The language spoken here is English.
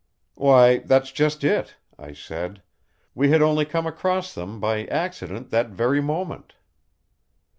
"Why, that's just it," I said. "We had only come across them, by accident, that very moment!"